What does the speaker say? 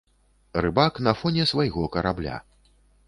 Рыбак на фоне свайго карабля.